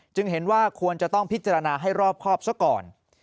เห็นว่าควรจะต้องพิจารณาให้รอบครอบซะก่อน